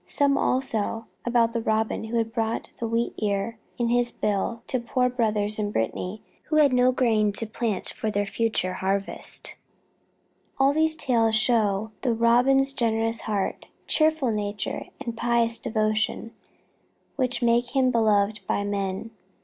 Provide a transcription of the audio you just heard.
Some also know about the Robin who brought the wheat ear in his bill to the poor brothers in Brittany who had no grain to plant for their future harvest. All these tales show the Robin's generous heart, cheerful nature, and pious devotion, which make him beloved by men.